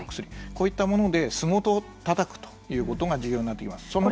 こういったもので巣元をたたくということが重要になってきます。